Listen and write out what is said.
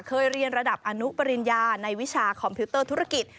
เคยเรียนระดับอนุปริญญาในวิชาคอมพิวเตอร์ธุรกิจ